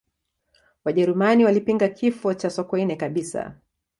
wajerumani walipinga kifo cha sokoine kabisa